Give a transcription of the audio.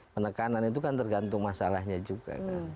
penekanan itu kan tergantung masalahnya juga kan